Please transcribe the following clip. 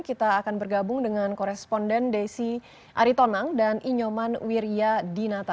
kita akan bergabung dengan koresponden desi aritonang dan inyoman wiryadinata